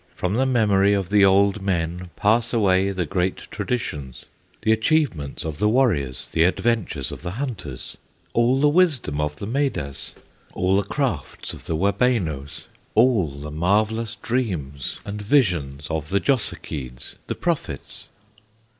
From the memory of the old men Pass away the great traditions, The achievements of the warriors, The adventures of the hunters, All the wisdom of the Medas, All the craft of the Wabenos, All the marvellous dreams and visions Of the Jossakeeds, the Prophets!